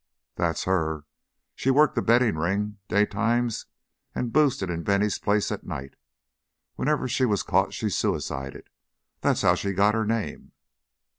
'" "That's her. She worked the betting ring daytimes and boosted in Bennie's place at night. Whenever she was caught she suicided. That's how she got her name."